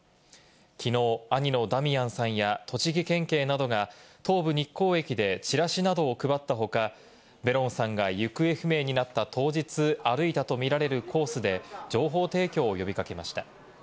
きのう、兄のダミアンさんや栃木県警などが東武日光駅でチラシなどを配った他、ベロンさんが行方不明になった当日歩いたとみられるコースで情報提供を呼び掛けました。